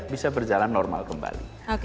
bisa berjalan normal kembali